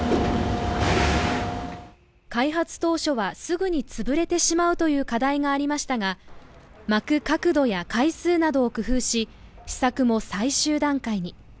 開発当初はすぐに潰れてしまうという課題がありましたが、巻く角度や回数などを工夫し、試作も最終段階に。